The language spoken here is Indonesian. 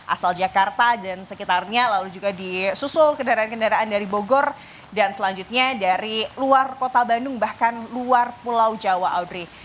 asal jakarta dan sekitarnya lalu juga disusul kendaraan kendaraan dari bogor dan selanjutnya dari luar kota bandung bahkan luar pulau jawa audrey